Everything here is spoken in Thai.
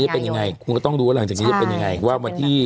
เพิ่มเวลา